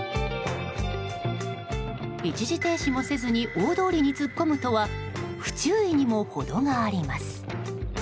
一時停止もせず大通りに突っ込むとは不注意にも程があります。